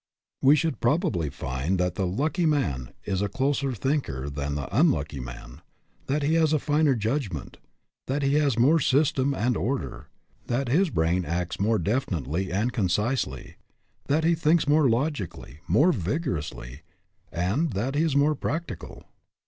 We should probably find that the " lucky " man is a closer thinker than the " unlucky " man, that he has a finer judgment, that he has more system and order; that his brain acts more definitely and concisely, that he thinks more logically, more vigorously, and that he is more practical.